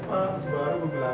mulai nih berhati hati